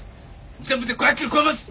全部で５００キロ超えます！